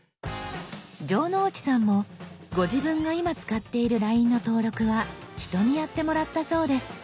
城之内さんもご自分が今使っているＬＩＮＥの登録は人にやってもらったそうです。